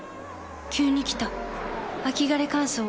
急に来た秋枯れ乾燥。